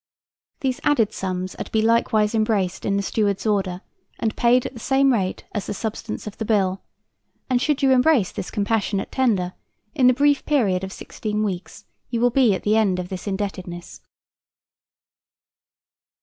These added sums are to be likewise embraced in the Steward's order, and paid at the same rate as the substance of the bill, and should you embrace this compassionate tender, in the brief period of sixteen weeks you will be at the end of this indebtedness.